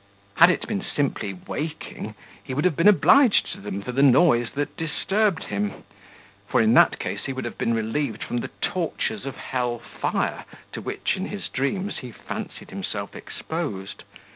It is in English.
Had it been simply waking, he would have been obliged to them for the noise that disturbed him; for, in that case, he would have been relieved from the tortures of hell fire, to which, in his dreams, he fancied himself exposed.